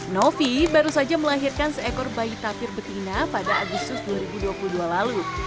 novi baru saja melahirkan seekor bayi tapir betina pada agustus dua ribu dua puluh dua lalu